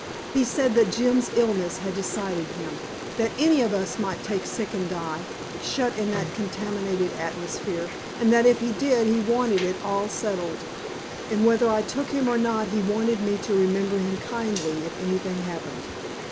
He said that Jim's illness had decided him; that any of us might take sick and die, shut in that contaminated atmosphere, and that if he did he wanted it all settled. And whether I took him or not he wanted me to remember him kindly if anything happened.